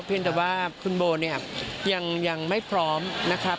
เพียงแต่ว่าคุณโบเนี่ยยังไม่พร้อมนะครับ